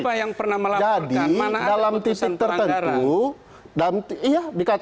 siapa yang pernah melaporkan mana ada keputusan pelanggaran